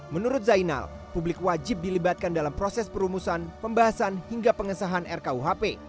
menurut zainal publik wajib dilibatkan dalam proses perumusan pembahasan hingga pengesahan rkuhp